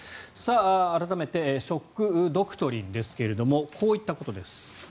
改めてショック・ドクトリンですがこういったことです。